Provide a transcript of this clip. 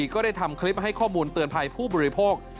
ก็ได้ทำคลิปให้ข้อมูลเตือนภัยผู้บริโภค